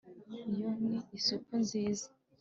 iyo ni isupu nziza